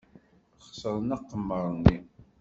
Xeṣren aqemmer-nni.